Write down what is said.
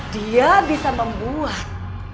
dia bisa membuat